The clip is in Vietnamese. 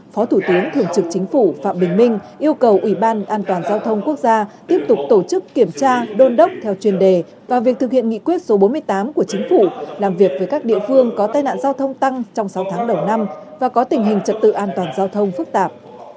phó thủ tướng thường trực chính phủ phạm bình minh yêu cầu ủy ban an toàn giao thông quốc gia tiếp tục tổ chức kiểm tra đôn đốc theo chuyên đề và việc thực hiện nghị quyết số bốn mươi tám của chính phủ làm việc với các địa phương có tai nạn giao thông tăng trong sáu tháng đầu năm và có tình hình trật tự an toàn giao thông phức tạp